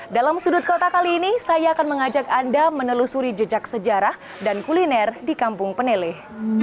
dalam sudut kota kali ini saya akan mengajak anda menelusuri jejak sejarah dan kuliner di kampung peneleh